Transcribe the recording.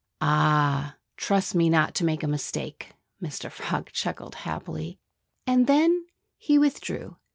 "Ah! Trust me not to make a mistake!" Mr. Frog chuckled happily. And then he withdrew.